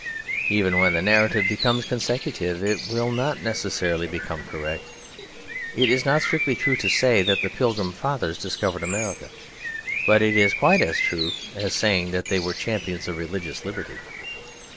Even when the narrative becomes consecutive, it will not necessarily become correct. It is not strictly true to say that the Pilgrim Fathers discovered America. But it is quite as true as saying that they were champions of religious liberty.